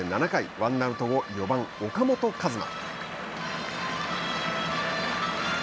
ワンアウト後、４番岡本和真。